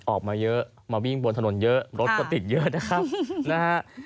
ออกมาเยอะมาวิ่งบนถนนเยอะรถก็ติดเยอะนะครับนะฮะ